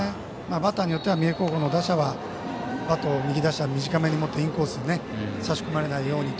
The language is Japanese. バッターによっては三重高校の打者はバットを右打者、短めに持ってインコース差し込まれないように。